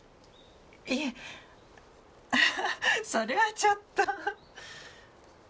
いえフフフそれはちょっと。